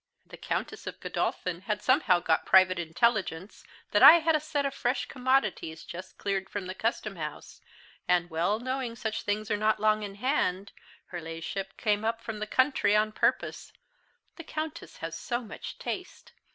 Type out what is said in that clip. The Countess of Godolphin had somehow got private intelligence that I had a set of fresh commodities just cleared from the custom house, and well knowing such things are not long in hand, her La'ship came up from the country on purpose the Countess has so much taste!